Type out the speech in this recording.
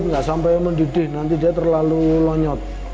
nggak sampai mendidih nanti dia terlalu lonyot